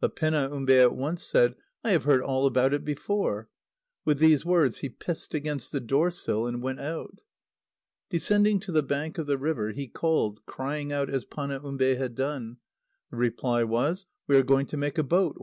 But Penaumbe at once said: "I have heard all about it before." With these words he pissed against the door sill, and went out. Descending to the bank of the river, he called, crying out as Panaumbe had done. The reply was: "We are going to make a boat.